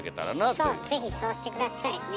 そう是非そうして下さいね。